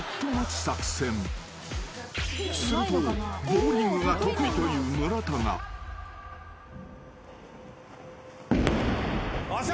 ［するとボウリングが得意という村田が］よっしゃ！